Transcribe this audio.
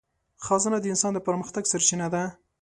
خزانه د انسان د پرمختګ سرچینه ده.